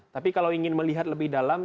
tapi kalau ingin melihat lebih dalam